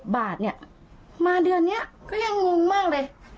๑๔๗บาทเนี่ยมาเดือนเนี่ยก็ยังงุนมากเลย